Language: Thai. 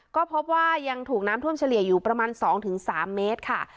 ก็พบว่ายังถูกน้ำท่วมเฉลี่ยอยู่ประมาณ๒๓เมตรค่ะ